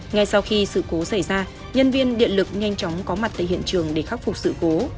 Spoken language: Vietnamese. ngay sau khi sự cố xảy ra nhân viên điện lực nhanh chóng có mặt tại hiện trường để khắc phục sự cố